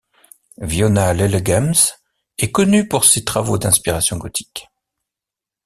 Viona Ielegems est connue pour ses travaux d’inspiration gothique.